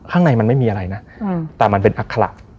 ข้างในมันไม่มีอะไรนะแต่มันเป็นอัคระ